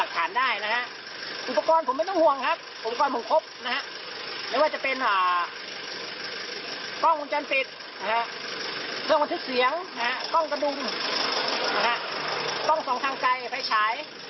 ต้องส่องทางไกลไปใช้